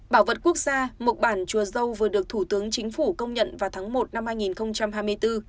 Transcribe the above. bảo vật quốc gia mộc bản chùa dâu vừa được thủ tướng chính phủ công nhận vào tháng một năm hai nghìn hai mươi bốn